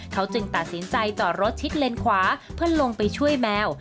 เขาจึงตัดสินใจจอดรถชิดเลนขวาเพื่อลงไปช่วยแมว